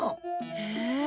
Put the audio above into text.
へえ。